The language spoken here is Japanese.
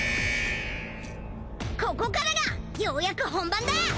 ここからがようやく本番だぁ！